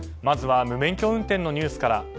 まずは無免許運転のニュースから。